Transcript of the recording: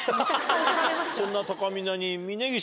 そんなたかみなに。